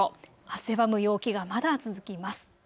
汗ばむ陽気が、まだ続きます。